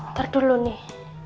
ntar dulu nih